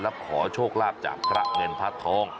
และขอโชคลาภจากพระเงินพระทอง